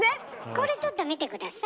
これちょっと見て下さい。